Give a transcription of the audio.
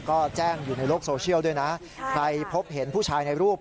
ก็แจ้งอยู่ในโลกโซเชียลด้วยนะใครพบเห็นผู้ชายในรูป